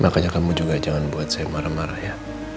makanya kamu juga jangan buat saya marah marah ya